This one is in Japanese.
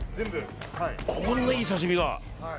こんないい刺し身が。